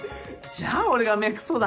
じゃあ俺が目クソだな。